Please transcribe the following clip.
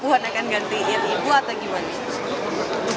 mbak puan akan gantiin ibu atau gimana